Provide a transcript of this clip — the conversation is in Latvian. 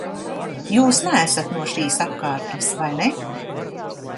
Jūs neesat no šīs apkārtnes, vai ne?